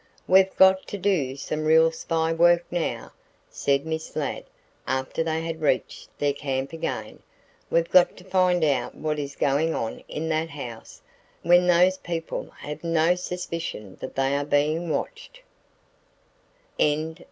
"We've got to do some real spy work now," said Miss Ladd after they had reached their camp again. "We've got to find out what is going on in that house when those people have no suspicion that they are being watched."